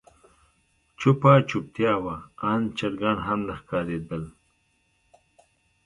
چوپه چوپتيا وه آن چرګان هم نه ښکارېدل.